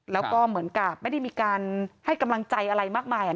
แล้วก็เหมือนกับไม่ได้มีการให้กำลังใจอะไรมากมาย